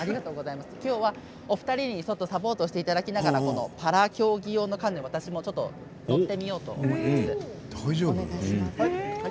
きょうは、お二人にサポートしていただきながらパラ競技用のカヌー乗ってみようと思います。